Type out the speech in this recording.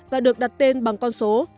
và được đặt tên bằng con số